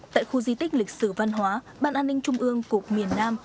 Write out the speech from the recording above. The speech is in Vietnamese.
tại khu di tích lịch sử văn hóa ban an ninh trung ương cục miền nam